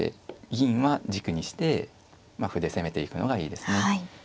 銀は軸にして歩で攻めていくのがいいですね。